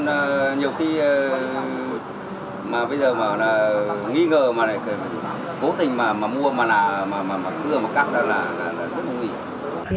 còn nhiều khi mà bây giờ mà là nghi ngờ mà là cố tình mà mua mà là cưa mà cắt là rất nguy hiểm